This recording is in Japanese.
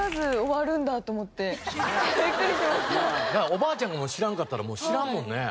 おばあちゃんが知らんかったらもう知らんもんね。